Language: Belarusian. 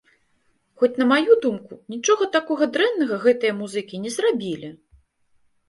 Хоць, на маю думку, нічога такога дрэннага гэтыя музыкі не зрабілі!